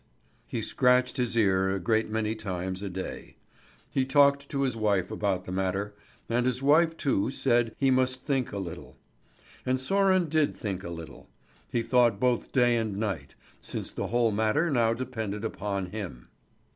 He scratched his ear a great many times a day. He talked to his wife about the matter, and his wife too said he must think a little. And Sören did think a little. He thought both day and night, since the whole matter now depended upon him.